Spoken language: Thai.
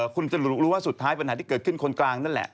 คุณจะรู้ว่าสุดท้ายปัญหาที่เกิดขึ้นคนกลางนั่นแหละ